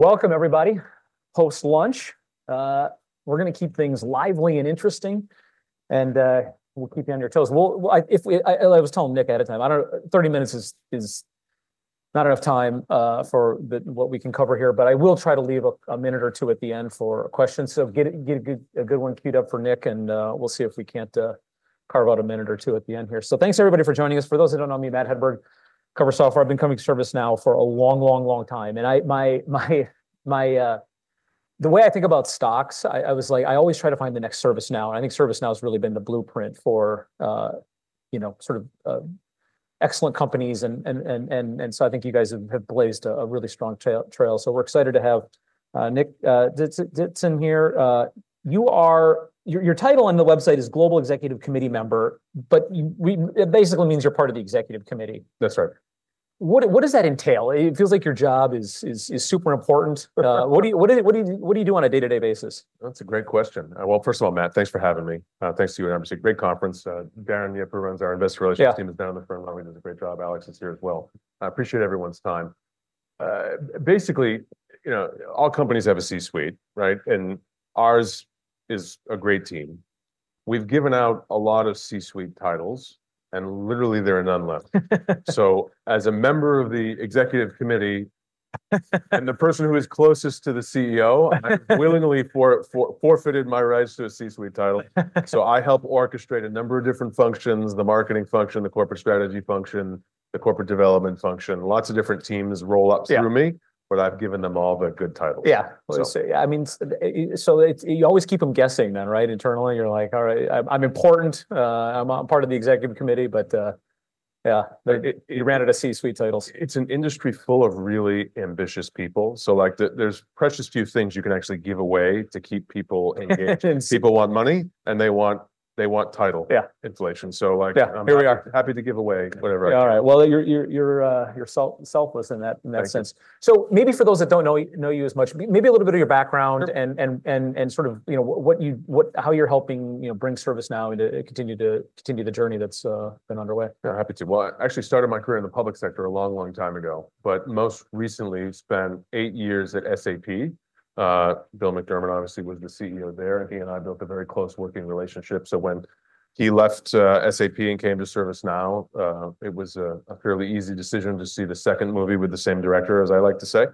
Welcome, everybody, post-lunch. We're going to keep things lively and interesting, and we'll keep you on your toes. I was telling Nick ahead of time, I don't know, 30 minutes is not enough time for what we can cover here, but I will try to leave a minute or two at the end for questions, so get a good one queued up for Nick, and we'll see if we can't carve out a minute or two at the end here, so thanks, everybody, for joining us. For those who don't know me, Matt Hedberg, covering software. I've been coming to ServiceNow for a long, long, long time, and the way I think about stocks, I always try to find the next ServiceNow. I think ServiceNow has really been the blueprint for sort of excellent companies, and so I think you guys have blazed a really strong trail. We're excited to have Nick Tzitzon here. Your title on the website is Global Executive Committee Member, but it basically means you're part of the executive committee. That's right. What does that entail? It feels like your job is super important. What do you do on a day-to-day basis? That's a great question. Well, first of all, Matt, thanks for having me. Thanks to you and everybody. It's a great conference. Darren Yip, who runs our investor relations team, is down the front line. He does a great job. Alex is here as well. I appreciate everyone's time. Basically, all companies have a C-suite, right? And ours is a great team. We've given out a lot of C-suite titles, and literally, there are none left. So as a member of the executive committee and the person who is closest to the CEO, I've willingly forfeited my rights to a C-suite title. So I help orchestrate a number of different functions: the marketing function, the corporate strategy function, the corporate development function. Lots of different teams roll up through me, but I've given them all the good titles. Yeah. I mean, so you always keep them guessing then, right? Internally, you're like, all right, I'm important. I'm part of the executive committee, but yeah, you ran out of C-suite titles. It's an industry full of really ambitious people. So there's precious few things you can actually give away to keep people engaged. People want money, and they want title, yeah, inflation. So happy to give away whatever I can. All right. Well, you're selfless in that sense. So maybe for those that don't know you as much, maybe a little bit of your background and sort of how you're helping bring ServiceNow and continue the journey that's been underway. Yeah, happy to. Well, I actually started my career in the public sector a long, long time ago, but most recently spent eight years at SAP. Bill McDermott, obviously, was the CEO there, and he and I built a very close working relationship. So when he left SAP and came to ServiceNow, it was a fairly easy decision to see the second movie with the same director, as I like to say.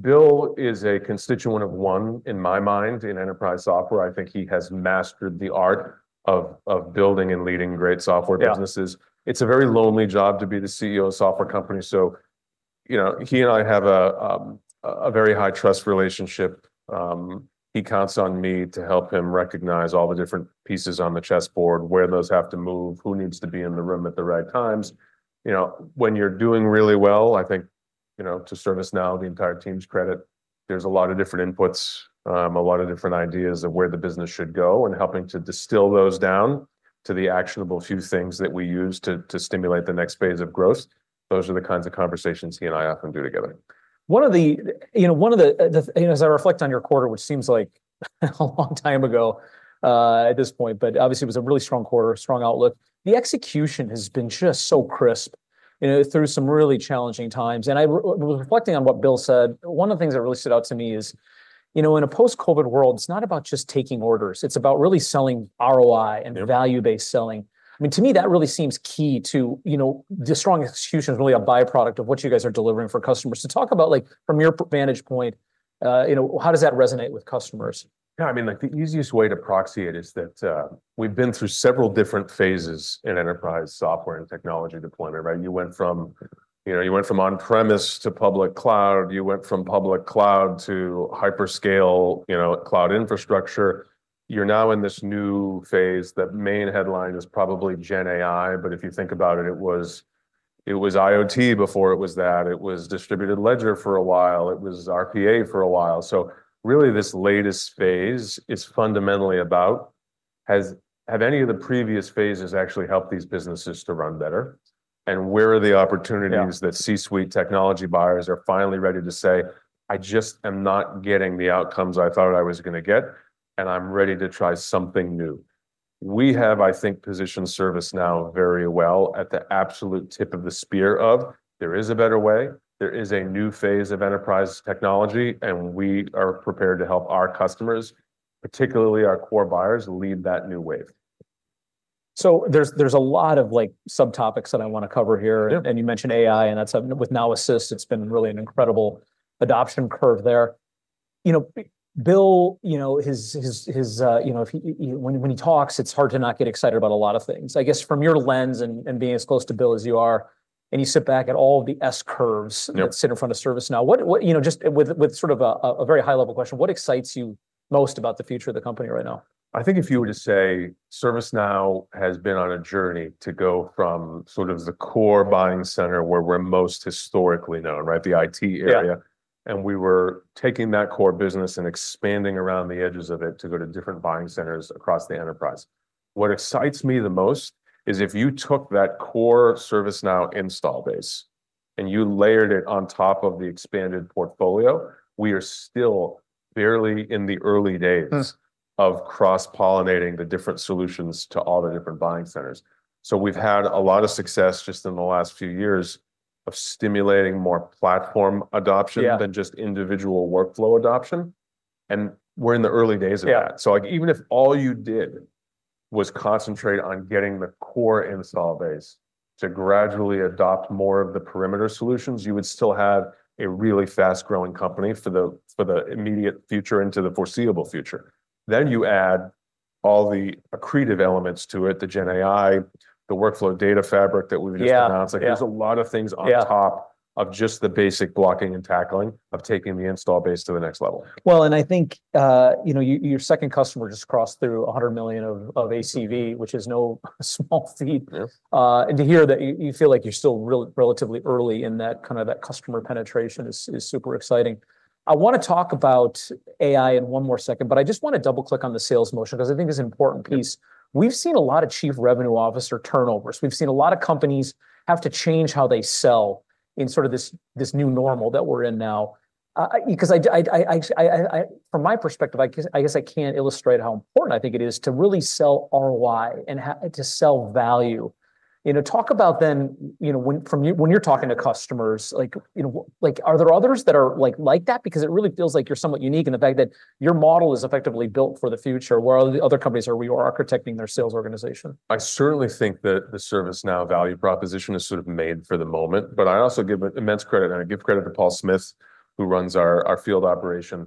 Bill is a one-of-one in my mind in enterprise software. I think he has mastered the art of building and leading great software businesses. It's a very lonely job to be the CEO of a software company. So he and I have a very high trust relationship. He counts on me to help him recognize all the different pieces on the chessboard, where those have to move, who needs to be in the room at the right times. When you're doing really well, I think to ServiceNow, the entire team's credit, there's a lot of different inputs, a lot of different ideas of where the business should go, and helping to distill those down to the actionable few things that we use to stimulate the next phase of growth. Those are the kinds of conversations he and I often do together. One of the, as I reflect on your quarter, which seems like a long time ago at this point, but obviously it was a really strong quarter, strong outlook. The execution has been just so crisp through some really challenging times. And I was reflecting on what Bill said. One of the things that really stood out to me is, you know, in a post-COVID world, it's not about just taking orders. It's about really selling ROI and value-based selling. I mean, to me, that really seems key to the strong execution is really a byproduct of what you guys are delivering for customers. To talk about, from your vantage point, how does that resonate with customers? Yeah. I mean, the easiest way to proxy it is that we've been through several different phases in enterprise software and technology deployment, right? You went from on-premise to public cloud. You went from public cloud to hyperscale cloud infrastructure. You're now in this new phase that main headline is probably GenAI, but if you think about it, it was IoT before it was that. It was distributed ledger for a while. It was RPA for a while. So really, this latest phase is fundamentally about, have any of the previous phases actually helped these businesses to run better? And where are the opportunities that C-suite technology buyers are finally ready to say, "I just am not getting the outcomes I thought I was going to get, and I'm ready to try something new." We have, I think, positioned ServiceNow very well at the absolute tip of the spear of, there is a better way. There is a new phase of enterprise technology, and we are prepared to help our customers, particularly our core buyers, lead that new wave. So there's a lot of subtopics that I want to cover here, and you mentioned AI and that's with Now Assist. It's been really an incredible adoption curve there. Bill, when he talks, it's hard to not get excited about a lot of things. I guess from your lens and being as close to Bill as you are, and you sit back at all the S curves that sit in front of ServiceNow, just with sort of a very high-level question, what excites you most about the future of the company right now? I think if you were to say ServiceNow has been on a journey to go from sort of the core buying center where we're most historically known, right, the IT area, and we were taking that core business and expanding around the edges of it to go to different buying centers across the enterprise. What excites me the most is if you took that core ServiceNow installed base and you layered it on top of the expanded portfolio, we are still barely in the early days of cross-pollinating the different solutions to all the different buying centers, so we've had a lot of success just in the last few years of stimulating more platform adoption than just individual workflow adoption, and we're in the early days of that. So even if all you did was concentrate on getting the core install base to gradually adopt more of the perimeter solutions, you would still have a really fast-growing company for the immediate future into the foreseeable future. Then you add all the accretive elements to it, the GenAI, the Workflow Data Fabric that we've just announced. There's a lot of things on top of just the basic blocking and tackling of taking the install base to the next level. Well, and I think your second customer just crossed through $100 million of ACV, which is no small feat. And to hear that you feel like you're still relatively early in that kind of customer penetration is super exciting. I want to talk about AI in one more second, but I just want to double-click on the sales motion because I think it's an important piece. We've seen a lot of chief revenue officer turnovers. We've seen a lot of companies have to change how they sell in sort of this new normal that we're in now. Because from my perspective, I guess I can't illustrate how important I think it is to really sell ROI and to sell value. Talk about then when you're talking to customers, are there others that are like that? Because it really feels like you're somewhat unique in the fact that your model is effectively built for the future. Where are the other companies where we are architecting their sales organization? I certainly think that the ServiceNow value proposition is sort of made for the moment. But I also give immense credit, and I give credit to Paul Smith, who runs our field operation.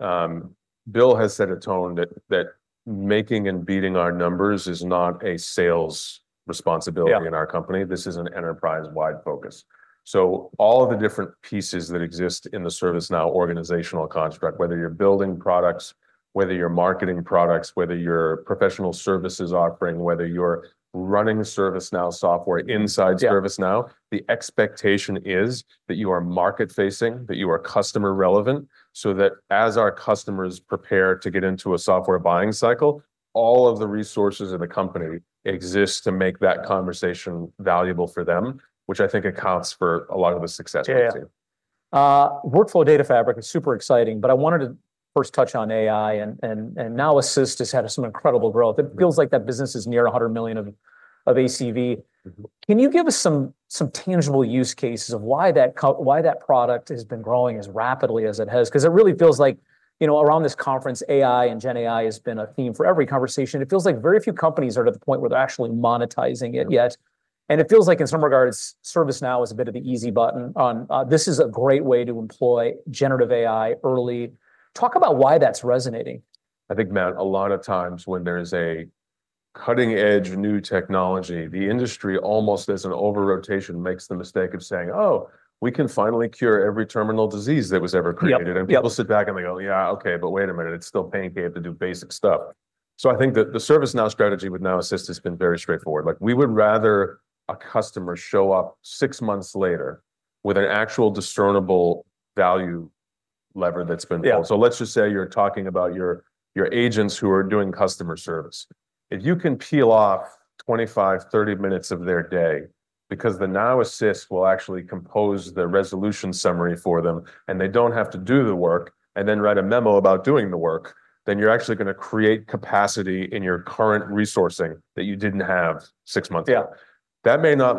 Bill has set a tone that making and beating our numbers is not a sales responsibility in our company. This is an enterprise-wide focus. So all of the different pieces that exist in the ServiceNow organizational construct, whether you're building products, whether you're marketing products, whether you're professional services offering, whether you're running ServiceNow software inside ServiceNow, the expectation is that you are market-facing, that you are customer-relevant, so that as our customers prepare to get into a software buying cycle, all of the resources in the company exist to make that conversation valuable for them, which I think accounts for a lot of the success of the team. Workflow Data Fabric is super exciting, but I wanted to first touch on AI, and Now Assist has had some incredible growth. It feels like that business is near $100 million of ACV. Can you give us some tangible use cases of why that product has been growing as rapidly as it has? Because it really feels like around this conference, AI and GenAI has been a theme for every conversation. It feels like very few companies are to the point where they're actually monetizing it yet. And it feels like in some regards, ServiceNow is a bit of the easy button on, this is a great way to employ generative AI early. Talk about why that's resonating. I think, Matt, a lot of times when there is a cutting-edge new technology, the industry almost as an over-rotation makes the mistake of saying, "Oh, we can finally cure every terminal disease that was ever created." And people sit back and they go, "Yeah, okay, but wait a minute. It's still painkillers to do basic stuff." So I think that the ServiceNow strategy with Now Assist has been very straightforward. We would rather a customer show up six months later with an actual discernible value lever that's been built. So let's just say you're talking about your agents who are doing customer service. If you can peel off 25, 30 minutes of their day because the Now Assist will actually compose the resolution summary for them, and they don't have to do the work, and then write a memo about doing the work, then you're actually going to create capacity in your current resourcing that you didn't have six months ago. That may not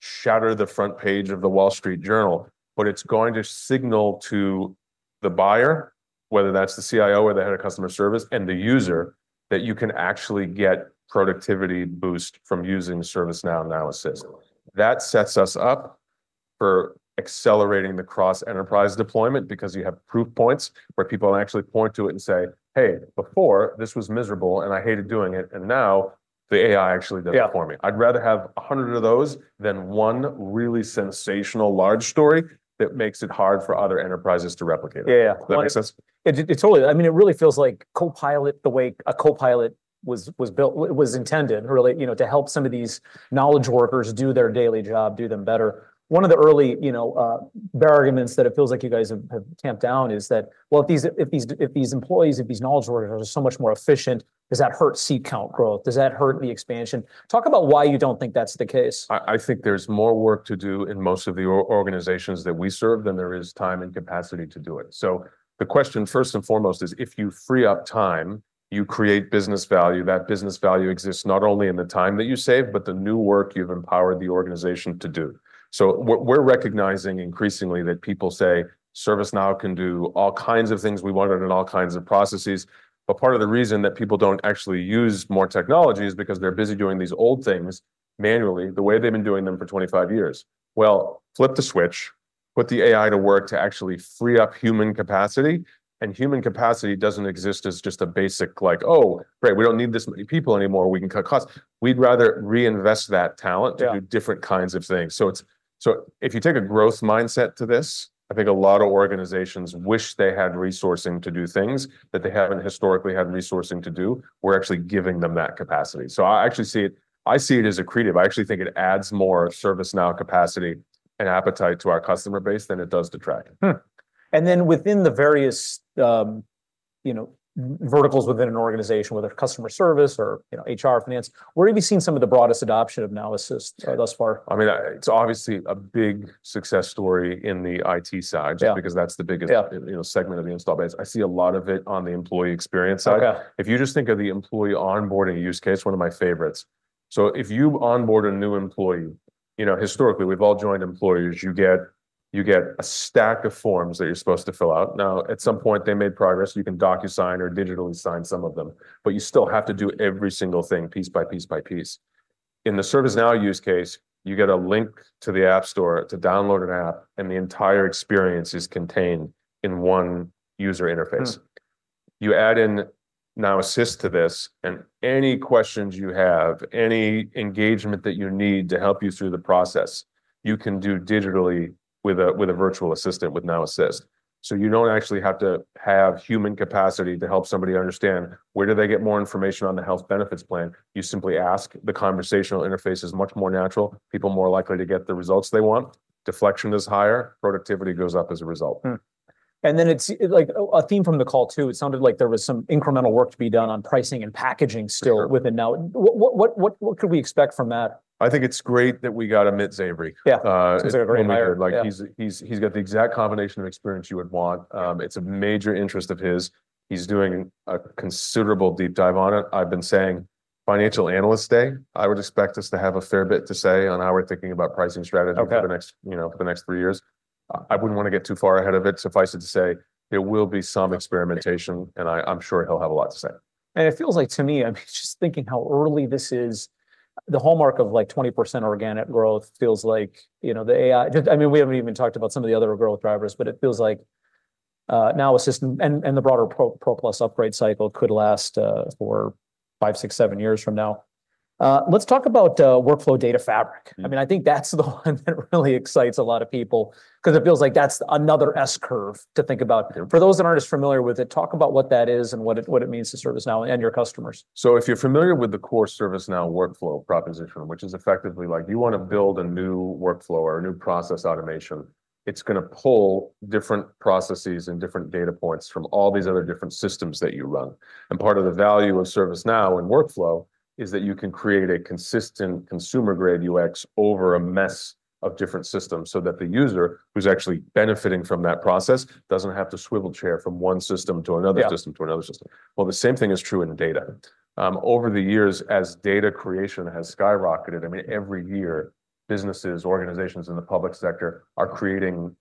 shatter the front page of the Wall Street Journal, but it's going to signal to the buyer, whether that's the CIO or the head of customer service and the user, that you can actually get productivity boost from using ServiceNow and Now Assist. That sets us up for accelerating the cross-enterprise deployment because you have proof points where people actually point to it and say, "Hey, before, this was miserable, and I hated doing it, and now the AI actually does it for me." I'd rather have 100 of those than one really sensational large story that makes it hard for other enterprises to replicate it. Does that make sense? Yeah. It totally. I mean, it really feels like Copilot, the way a Copilot was built, was intended to help some of these knowledge workers do their daily job, do them better. One of the early arguments that it feels like you guys have tamped down is that, well, if these employees, if these knowledge workers are so much more efficient, does that hurt seat count growth? Does that hurt the expansion? Talk about why you don't think that's the case. I think there's more work to do in most of the organizations that we serve than there is time and capacity to do it. So the question first and foremost is, if you free up time, you create business value. That business value exists not only in the time that you save, but the new work you've empowered the organization to do. So we're recognizing increasingly that people say, "ServiceNow can do all kinds of things we wanted in all kinds of processes." But part of the reason that people don't actually use more technology is because they're busy doing these old things manually the way they've been doing them for 25 years. Well, flip the switch, put the AI to work to actually free up human capacity. And human capacity doesn't exist as just a basic like, "Oh, great. We don't need this many people anymore. We can cut costs." We'd rather reinvest that talent to do different kinds of things. So if you take a growth mindset to this, I think a lot of organizations wish they had resourcing to do things that they haven't historically had resourcing to do. We're actually giving them that capacity. So I actually see it as accretive. I actually think it adds more ServiceNow capacity and appetite to our customer base than it does detract. And then within the various verticals within an organization, whether customer service or HR, finance, where have you seen some of the broadest adoption of Now Assist thus far? I mean, it's obviously a big success story in the IT side just because that's the biggest segment of the install base. I see a lot of it on the employee experience side. If you just think of the employee onboarding use case, one of my favorites. So if you onboard a new employee, historically, we've all joined employees, you get a stack of forms that you're supposed to fill out. Now, at some point, they made progress. You can DocuSign or digitally sign some of them, but you still have to do every single thing piece by piece by piece. In the ServiceNow use case, you get a link to the App Store to download an app, and the entire experience is contained in one user interface. You add in Now Assist to this, and any questions you have, any engagement that you need to help you through the process, you can do digitally with a virtual assistant with Now Assist. So you don't actually have to have human capacity to help somebody understand where do they get more information on the health benefits plan. You simply ask. The conversational interface is much more natural. People are more likely to get the results they want. Deflection is higher. Productivity goes up as a result. Then it's like a theme from the call too. It sounded like there was some incremental work to be done on pricing and packaging still within Now. What could we expect from that? I think it's great that we got Amit Zavery. Yeah. He's a great hire. He's got the exact combination of experience you would want. It's a major interest of his. He's doing a considerable deep dive on it. I've been saying Financial Analyst Day, I would expect us to have a fair bit to say on how we're thinking about pricing strategy for the next three years. I wouldn't want to get too far ahead of it. Suffice it to say, there will be some experimentation, and I'm sure he'll have a lot to say. It feels like to me, I'm just thinking how early this is. The hallmark of like 20% organic growth feels like the AI. I mean, we haven't even talked about some of the other growth drivers, but it feels like Now Assist and the broader Pro Plus upgrade cycle could last for five, six, seven years from now. Let's talk about Workflow Data Fabric. I mean, I think that's the one that really excites a lot of people because it feels like that's another S-curve to think about. For those that aren't as familiar with it, talk about what that is and what it means to ServiceNow and your customers. So if you're familiar with the core ServiceNow workflow proposition, which is effectively like you want to build a new workflow or a new process automation, it's going to pull different processes and different data points from all these other different systems that you run. And part of the value of ServiceNow and workflow is that you can create a consistent consumer-grade UX over a mess of different systems so that the user who's actually benefiting from that process doesn't have to swivel chair from one system to another system to another system. Well, the same thing is true in data. Over the years, as data creation has skyrocketed, I mean, every year, businesses, organizations in the public sector are creating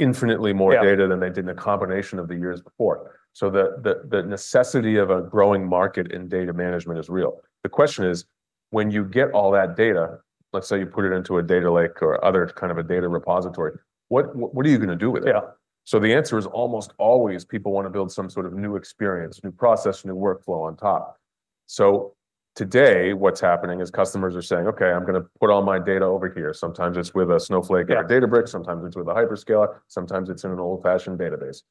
infinitely more data than they did in the combination of the years before. So the necessity of a growing market in data management is real. The question is, when you get all that data, let's say you put it into a data lake or other kind of a data repository, what are you going to do with it? So the answer is almost always people want to build some sort of new experience, new process, new workflow on top. So today, what's happening is customers are saying, "Okay, I'm going to put all my data over here." Sometimes it's with a Snowflake or a Databricks. Sometimes it's with a Hyperscaler. Sometimes it's in an old-fashioned database.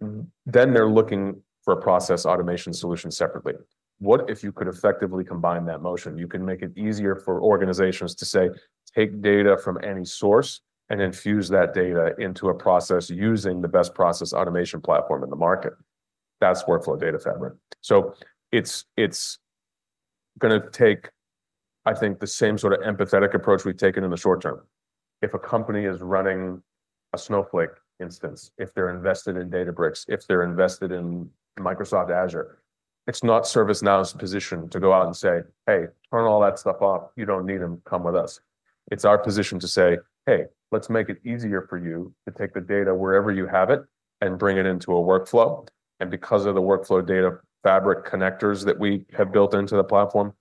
Then they're looking for a process automation solution separately. What if you could effectively combine that motion? You can make it easier for organizations to say, "Take data from any source and infuse that data into a process using the best process automation platform in the market." That's Workflow Data Fabric. So it's going to take, I think, the same sort of empathetic approach we've taken in the short term. If a company is running a Snowflake instance, if they're invested in Databricks, if they're invested in Microsoft Azure, it's not ServiceNow's position to go out and say, "Hey, turn all that stuff off. You don't need them. Come with us." It's our position to say, "Hey, let's make it easier for you to take the data wherever you have it and bring it into a workflow." And because of the Workflow Data Fabric connectors that we have built into the platform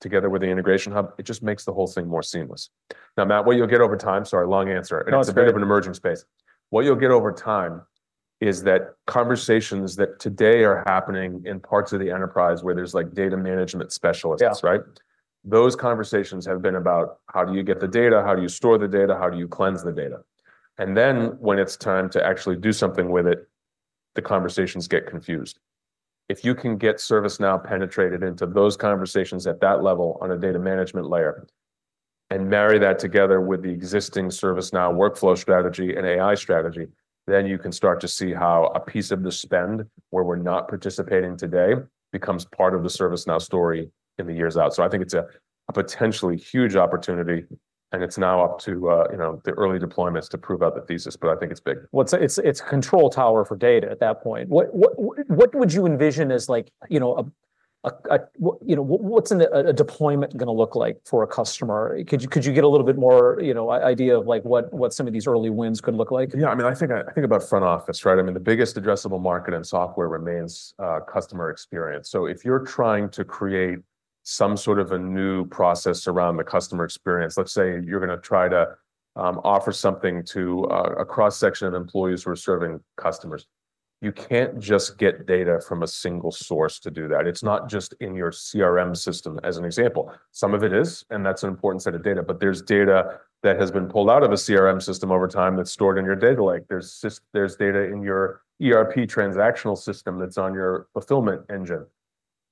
together with the Integration Hub, it just makes the whole thing more seamless. Now, Matt, what you'll get over time, sorry, long answer. It's a bit of an emerging space. What you'll get over time is that conversations that today are happening in parts of the enterprise where there's data management specialists, right? Those conversations have been about how do you get the data, how do you store the data, how do you cleanse the data, and then when it's time to actually do something with it, the conversations get confused. If you can get ServiceNow penetrated into those conversations at that level on a data management layer and marry that together with the existing ServiceNow workflow strategy and AI strategy, then you can start to see how a piece of the spend where we're not participating today becomes part of the ServiceNow story in the years out, so I think it's a potentially huge opportunity, and it's now up to the early deployments to prove out the thesis, but I think it's big. It's a control tower for data at that point. What would you envision as what's a deployment going to look like for a customer? Could you get a little bit more idea of what some of these early wins could look like? Yeah. I mean, I think about front office, right? I mean, the biggest addressable market in software remains customer experience. So if you're trying to create some sort of a new process around the customer experience, let's say you're going to try to offer something to a cross-section of employees who are serving customers, you can't just get data from a single source to do that. It's not just in your CRM system, as an example. Some of it is, and that's an important set of data, but there's data that has been pulled out of a CRM system over time that's stored in your data lake. There's data in your ERP transactional system that's on your fulfillment engine.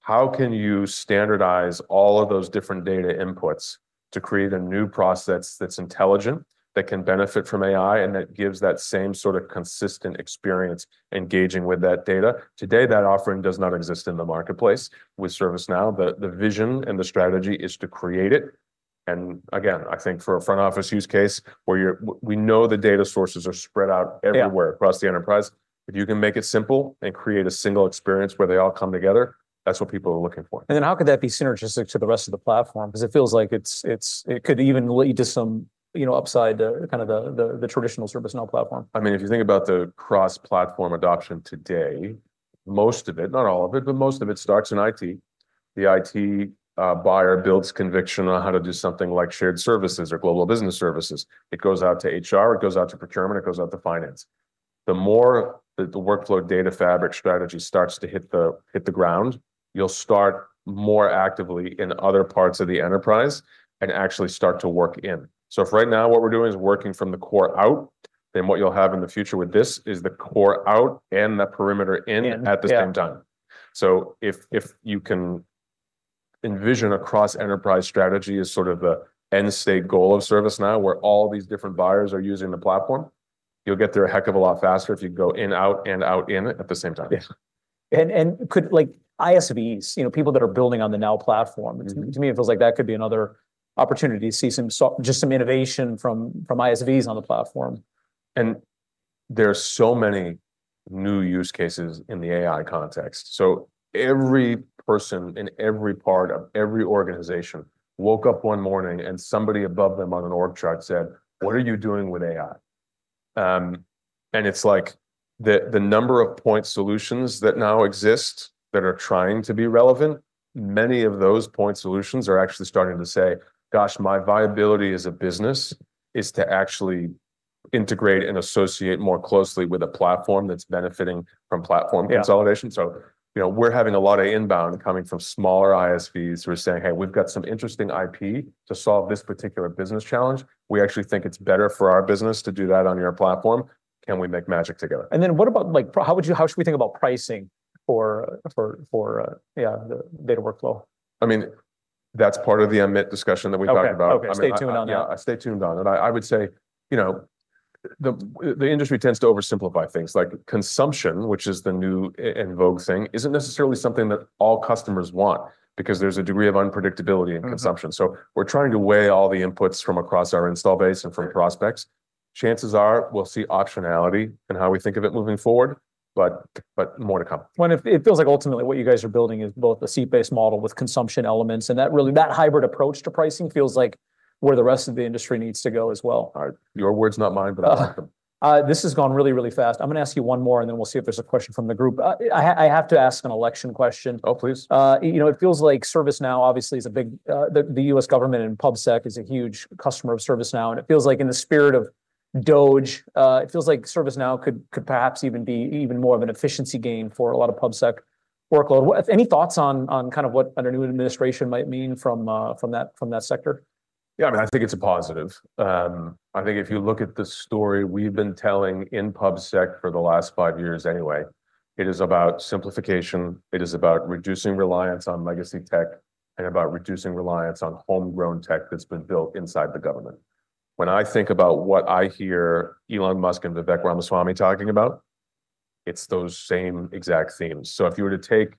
How can you standardize all of those different data inputs to create a new process that's intelligent, that can benefit from AI, and that gives that same sort of consistent experience engaging with that data? Today, that offering does not exist in the marketplace with ServiceNow. The vision and the strategy is to create it. And again, I think for a front office use case where we know the data sources are spread out everywhere across the enterprise, if you can make it simple and create a single experience where they all come together, that's what people are looking for. Then how could that be synergistic to the rest of the platform? Because it feels like it could even lead to some upside to kind of the traditional ServiceNow platform. I mean, if you think about the cross-platform adoption today, most of it, not all of it, but most of it starts in IT. The IT buyer builds conviction on how to do something like shared services or global business services. It goes out to HR. It goes out to procurement. It goes out to finance. The more that the Workflow Data Fabric strategy starts to hit the ground, you'll start more actively in other parts of the enterprise and actually start to work in. So if right now what we're doing is working from the core out, then what you'll have in the future with this is the core out and the perimeter in at the same time. So if you can envision a cross-enterprise strategy as sort of the end state goal of ServiceNow where all these different buyers are using the platform, you'll get there a heck of a lot faster if you go in, out, and out in at the same time. Yeah, and ISVs, people that are building on the Now Platform, to me, it feels like that could be another opportunity to see just some innovation from ISVs on the platform. And there are so many new use cases in the AI context. So every person in every part of every organization woke up one morning and somebody above them on an org chart said, "What are you doing with AI?" And it's like the number of point solutions that now exist that are trying to be relevant, many of those point solutions are actually starting to say, "Gosh, my viability as a business is to actually integrate and associate more closely with a platform that's benefiting from platform consolidation." So we're having a lot of inbound coming from smaller ISVs who are saying, "Hey, we've got some interesting IP to solve this particular business challenge. We actually think it's better for our business to do that on your platform. Can we make magic together? And then how should we think about pricing for data workflow? I mean, that's part of the Amit discussion that we talked about. Okay. Stay tuned on that. Stay tuned on it. I would say the industry tends to oversimplify things. Consumption, which is the new and vogue thing, isn't necessarily something that all customers want because there's a degree of unpredictability in consumption. So we're trying to weigh all the inputs from across our install base and from prospects. Chances are we'll see optionality in how we think of it moving forward, but more to come. It feels like ultimately what you guys are building is both a SaaS-based model with consumption elements. That hybrid approach to pricing feels like where the rest of the industry needs to go as well. Your word's not mine, but I think. This has gone really, really fast. I'm going to ask you one more, and then we'll see if there's a question from the group. I have to ask an election question. Oh, please. It feels like ServiceNow, obviously, is big to the U.S. government and PubSec is a huge customer of ServiceNow. And it feels like in the spirit of DOGE, it feels like ServiceNow could perhaps even be even more of an efficiency gain for a lot of PubSec workload. Any thoughts on kind of what a new administration might mean from that sector? Yeah. I mean, I think it's a positive. I think if you look at the story we've been telling in PubSec for the last five years anyway, it is about simplification. It is about reducing reliance on legacy tech and about reducing reliance on homegrown tech that's been built inside the government. When I think about what I hear Elon Musk and Vivek Ramaswamy talking about, it's those same exact themes. So if you were to take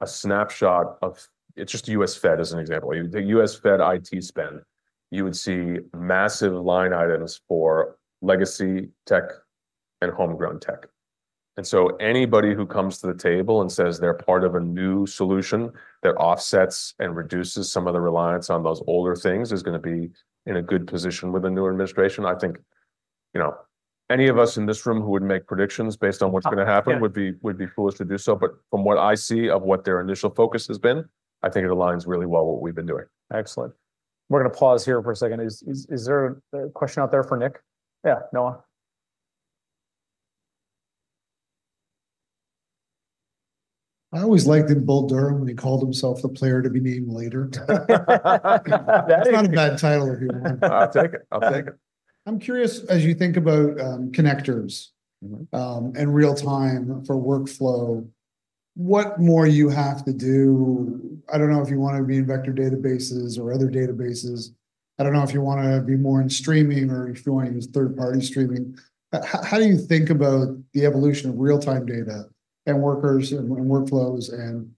a snapshot of, it's just the U.S. Fed as an example, the U.S. Fed IT spend, you would see massive line items for legacy tech and homegrown tech. And so anybody who comes to the table and says they're part of a new solution that offsets and reduces some of the reliance on those older things is going to be in a good position with a new administration. I think any of us in this room who would make predictions based on what's going to happen would be foolish to do so, but from what I see of what their initial focus has been, I think it aligns really well with what we've been doing. Excellent. We're going to pause here for a second. Is there a question out there for Nick? Yeah, Noah. I always liked that Bull Durham, when he called himself the player to be named later. That's not a bad title if you want. I'll take it. I'll take it. I'm curious, as you think about connectors and real-time for workflow, what more you have to do? I don't know if you want to be in vector databases or other databases. I don't know if you want to be more in streaming or if you want to use third-party streaming. How do you think about the evolution of real-time data and workers and workflows and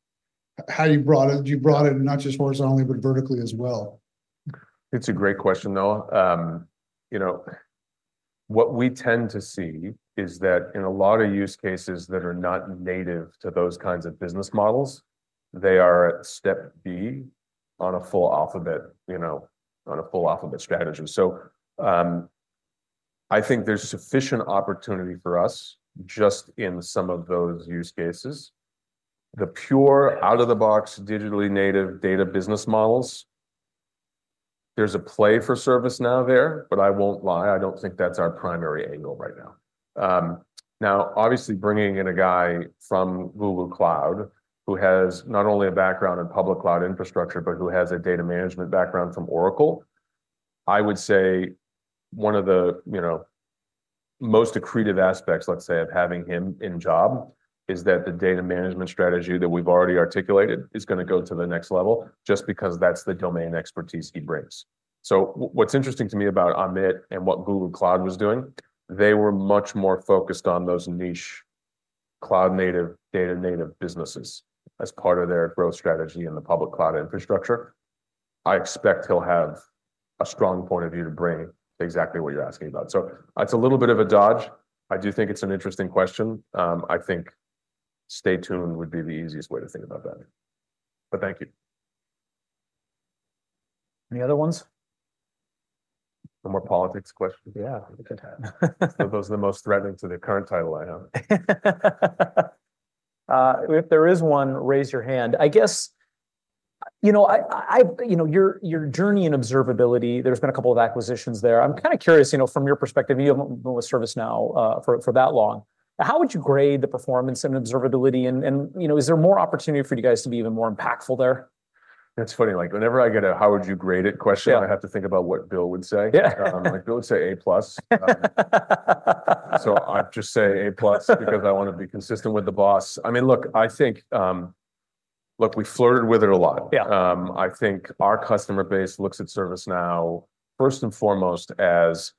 how you brought it, not just horizontally, but vertically as well? It's a great question, Noah. What we tend to see is that in a lot of use cases that are not native to those kinds of business models, they are a step B on a full alphabet strategy. So I think there's sufficient opportunity for us just in some of those use cases. The pure out-of-the-box digitally native data business models, there's a play for ServiceNow there, but I won't lie, I don't think that's our primary angle right now. Now, obviously, bringing in a guy from Google Cloud who has not only a background in public cloud infrastructure, but who has a data management background from Oracle, I would say one of the most accretive aspects, let's say, of having him in his job is that the data management strategy that we've already articulated is going to go to the next level just because that's the domain expertise he brings. So what's interesting to me about Amit and what Google Cloud was doing, they were much more focused on those niche cloud-native data-native businesses as part of their growth strategy in the public cloud infrastructure. I expect he'll have a strong point of view to bring exactly what you're asking about. So it's a little bit of a dodge. I do think it's an interesting question. I think stay tuned would be the easiest way to think about that. But thank you. Any other ones? Some more politics questions? Yeah. So those are the most threatening to the current title I have. If there is one, raise your hand. I guess your journey in observability, there's been a couple of acquisitions there. I'm kind of curious from your perspective, you haven't been with ServiceNow for that long. How would you grade the performance and observability? And is there more opportunity for you guys to be even more impactful there? It's funny. Whenever I get a "How would you grade it?" question, I have to think about what Bill would say. Bill would say A-plus. So I just say A-plus because I want to be consistent with the boss. I mean, look, I think we've flirted with it a lot. I think our customer base looks at ServiceNow first and foremost as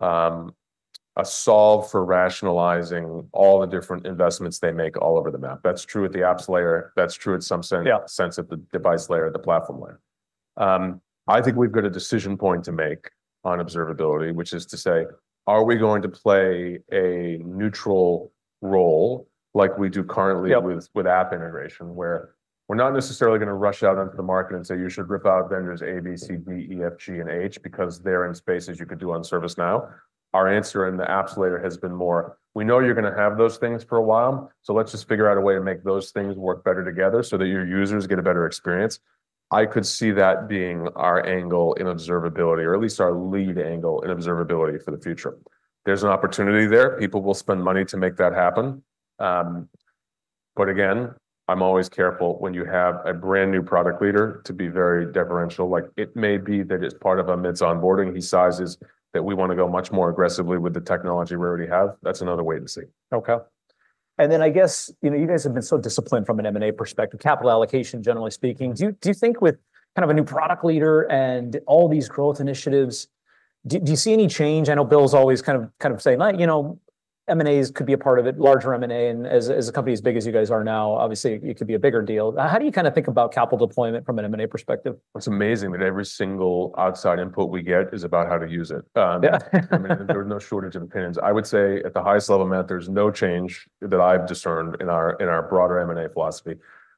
a solve for rationalizing all the different investments they make all over the map. That's true at the apps layer. That's true in some sense at the device layer, the platform layer. I think we've got a decision point to make on observability, which is to say, are we going to play a neutral role like we do currently with app integration where we're not necessarily going to rush out into the market and say, "You should rip out vendors A, B, C, D, E, F, G, and H because they're in spaces you could do on ServiceNow." Our answer in the apps layer has been more, "We know you're going to have those things for a while, so let's just figure out a way to make those things work better together so that your users get a better experience." I could see that being our angle in observability, or at least our lead angle in observability for the future. There's an opportunity there. People will spend money to make that happen. But again, I'm always careful when you have a brand new product leader to be very deferential. It may be that it's part of Amit's onboarding. He says that we want to go much more aggressively with the technology we already have. That's another way to see. Okay. And then I guess you guys have been so disciplined from an M&A perspective, capital allocation, generally speaking. Do you think with kind of a new product leader and all these growth initiatives, do you see any change? I know Bill's always kind of saying, "M&As could be a part of it, larger M&A." And as a company as big as you guys are now, obviously, it could be a bigger deal. How do you kind of think about capital deployment from an M&A perspective? It's amazing that every single outside input we get is about how to use it. I mean, there's no shortage of opinions. I would say at the highest level, Matt, there's no change that I've discerned in our broader M&A philosophy.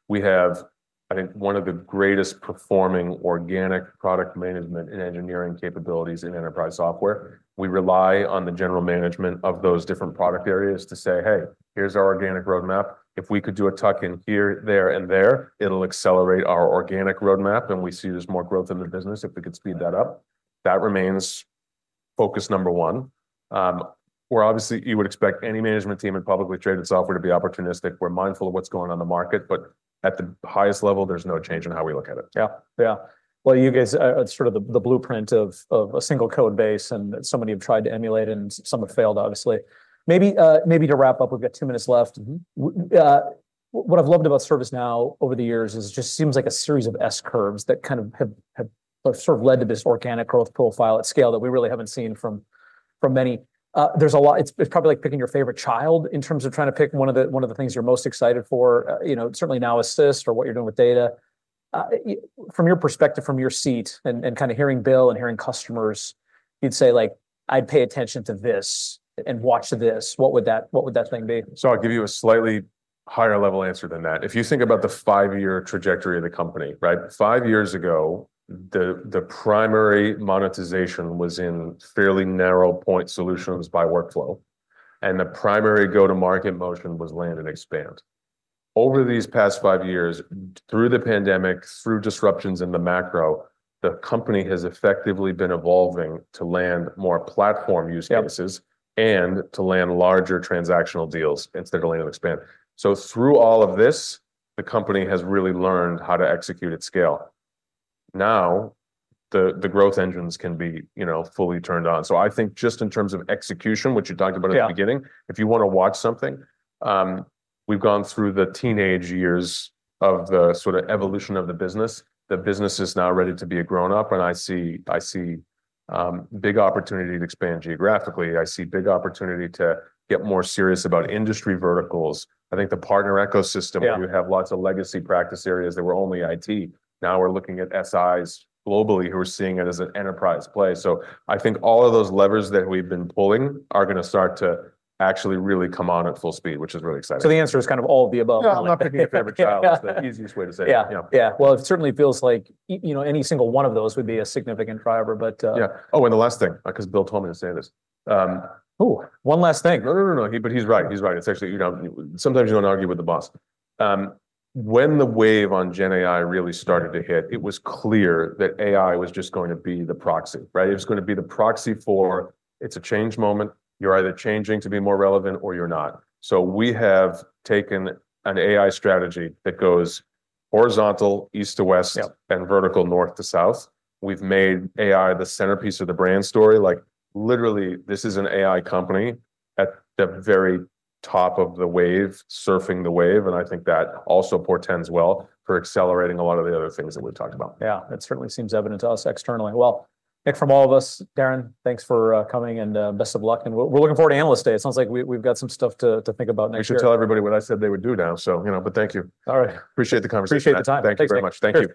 We have, I think, one of the greatest performing organic product management and engineering capabilities in enterprise software. We rely on the general management of those different product areas to say, "Hey, here's our organic roadmap. If we could do a tuck in here, there, and there, it'll accelerate our organic roadmap, and we see there's more growth in the business if we could speed that up." That remains focus number one. We're obviously, you would expect any management team in publicly traded software to be opportunistic. We're mindful of what's going on in the market, but at the highest level, there's no change in how we look at it. Yeah. Yeah. Well, you guys are sort of the blueprint of a single code base, and so many have tried to emulate, and some have failed, obviously. Maybe to wrap up, we've got two minutes left. What I've loved about ServiceNow over the years is it just seems like a series of S curves that kind of have sort of led to this organic growth profile at scale that we really haven't seen from many. There's a lot. It's probably like picking your favorite child in terms of trying to pick one of the things you're most excited for, certainly Now Assist or what you're doing with data. From your perspective, from your seat and kind of hearing Bill and hearing customers, you'd say, "I'd pay attention to this and watch this." What would that thing be? So I'll give you a slightly higher level answer than that. If you think about the five-year trajectory of the company, right? Five years ago, the primary monetization was in fairly narrow point solutions by workflow, and the primary go-to-market motion was land and expand. Over these past five years, through the pandemic, through disruptions in the macro, the company has effectively been evolving to land more platform use cases and to land larger transactional deals instead of land and expand. So through all of this, the company has really learned how to execute at scale. Now, the growth engines can be fully turned on. So I think just in terms of execution, which you talked about at the beginning, if you want to watch something, we've gone through the teenage years of the sort of evolution of the business. The business is now ready to be a grown-up, and I see big opportunity to expand geographically. I see big opportunity to get more serious about industry verticals. I think the partner ecosystem, where you have lots of legacy practice areas that were only IT, now we're looking at SIs globally who are seeing it as an enterprise play. So I think all of those levers that we've been pulling are going to start to actually really come on at full speed, which is really exciting. The answer is kind of all of the above. No, I'm not picking your favorite child. It's the easiest way to say it. Yeah. Yeah. Well, it certainly feels like any single one of those would be a significant driver, but. Yeah. Oh, and the last thing, because Bill told me to say this. Ooh, one last thing. No, no, no, no, but he's right. He's right. Sometimes you don't argue with the boss. When the wave on GenAI really started to hit, it was clear that AI was just going to be the proxy, right? It was going to be the proxy for, "It's a change moment. You're either changing to be more relevant or you're not." So we have taken an AI strategy that goes horizontal east to west and vertical north to south. We've made AI the centerpiece of the brand story. Literally, this is an AI company at the very top of the wave, surfing the wave. And I think that also portends well for accelerating a lot of the other things that we've talked about. Yeah. That certainly seems evident to us externally. Well, Nick, from all of us, Darren, thanks for coming and best of luck. And we're looking forward to Analyst Day. It sounds like we've got some stuff to think about next year. I should tell everybody what I said they would do now, but thank you. All right. Appreciate the conversation. Appreciate the time. Thank you so much. Thank you.